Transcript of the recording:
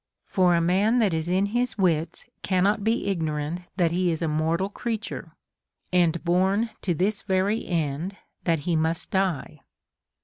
For a man that is in his wits cannot be ignorant that he is a mortal creature, and born to this very end that he must die.